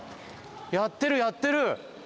やってるやってる！